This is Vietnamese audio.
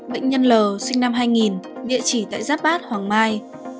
bệnh nhân l sinh năm hai nghìn địa chỉ tại giáp bát hoàng mai